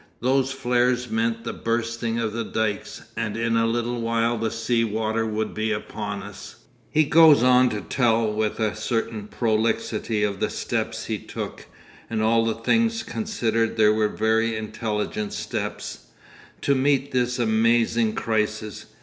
Those flares meant the bursting of the dykes, and in a little while the sea water would be upon us....' He goes on to tell with a certain prolixity of the steps he took—and all things considered they were very intelligent steps—to meet this amazing crisis.